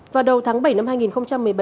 vào đầu tháng bảy năm hai nghìn một mươi bảy